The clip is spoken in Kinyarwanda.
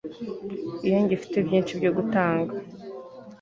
iyo ngifite byinshi byo gutanga